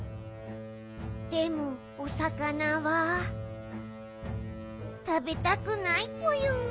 でもおさかなはたべたくないぽよん。